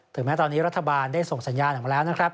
แม้ตอนนี้รัฐบาลได้ส่งสัญญาณออกมาแล้วนะครับ